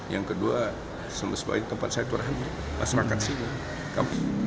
yang kedua semestinya tempat saya terhati masyarakat sini